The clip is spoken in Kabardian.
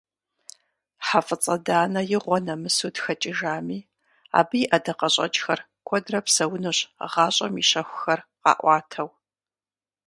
ХьэфӀыцӀэ Данэ игъуэнэмысу тхэкӀыжами, абы и ӀэдакъэщӀэкӀхэр куэдрэ псэунущ гъащӀэм и щэхухэр къаӀуатэу.